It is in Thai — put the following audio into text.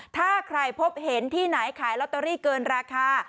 ถ้าใครพบเห็นที่ไหนขายลอตเตอรี่เกินราคา